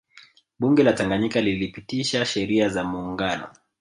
Bunge la Tanganyika lilipitisha Sheria za Muungano